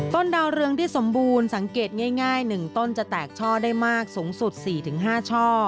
ดาวเรืองที่สมบูรณ์สังเกตง่าย๑ต้นจะแตกช่อได้มากสูงสุด๔๕ช่อ